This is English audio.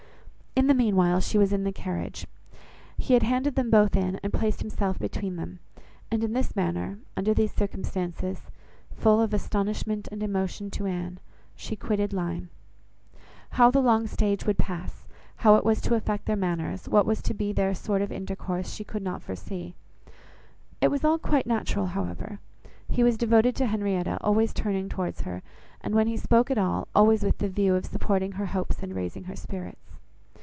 In the meanwhile she was in the carriage. He had handed them both in, and placed himself between them; and in this manner, under these circumstances, full of astonishment and emotion to Anne, she quitted Lyme. How the long stage would pass; how it was to affect their manners; what was to be their sort of intercourse, she could not foresee. It was all quite natural, however. He was devoted to Henrietta; always turning towards her; and when he spoke at all, always with the view of supporting her hopes and raising her spirits.